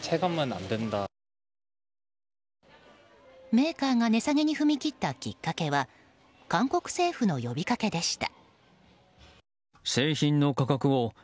メーカーが値下げに踏み切ったきっかけは韓国政府の呼びかけでした。